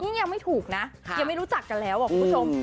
นี่ยังไม่ถูกนะยังไม่รู้จักกันแล้วคุณผู้ชม